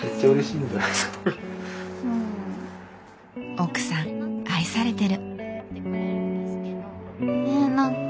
奥さん愛されてる。